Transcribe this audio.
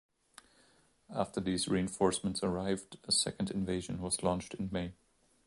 After these reinforcements arrived, a second invasion was launched in May.